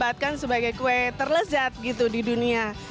buatkan sebagai kue terlezat gitu di dunia